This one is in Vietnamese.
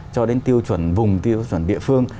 cho đến tiêu chuẩn vùng tiêu chuẩn địa phương